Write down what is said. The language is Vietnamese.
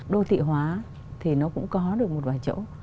đô thị hóa thì nó cũng có được một vài chỗ